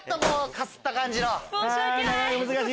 かすった感じの。